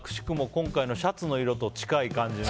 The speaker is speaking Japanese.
今回のシャツの色と近い感じの。